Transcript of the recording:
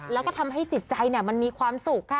แล้วก็ทำให้จิตใจมันมีความสุขค่ะ